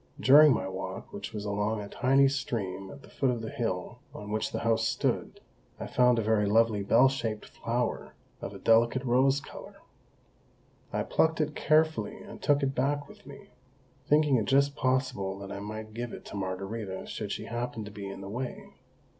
During my walk, which was along a tiny stream at the foot of the hill on which the house stood, I found a very lovely bell shaped flower of a delicate rose colour. I plucked it carefully and took it back with me, thinking it just possible that I might give it to Margarita should she happen to be in the way.